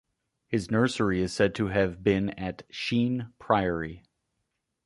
His nursery is said to have been at Sheen Priory.